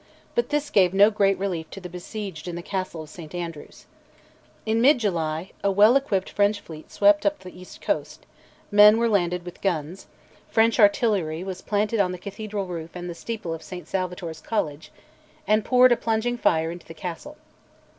But this gave no great relief to the besieged in the castle of St Andrews. In mid July a well equipped French fleet swept up the east coast; men were landed with guns; French artillery was planted on the cathedral roof and the steeple of St Salvator's College, and poured a plunging fire into the castle.